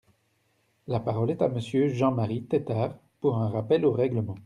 La parole est à Monsieur Jean-Marie Tetart, pour un rappel au règlement.